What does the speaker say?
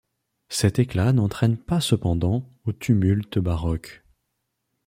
Cet éclat n'entraîne pas cependant au tumulte baroque.